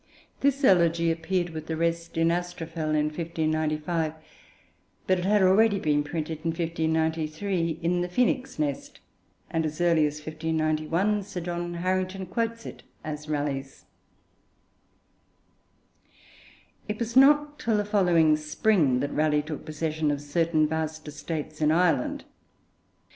This elegy appeared with the rest in Astrophel in 1595; but it had already been printed, in 1593, in the Phoenix Nest, and as early as 1591 Sir John Harington quotes it as Raleigh's. It was not till the following spring that Raleigh took possession of certain vast estates in Ireland.